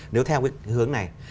nếu theo cái hướng này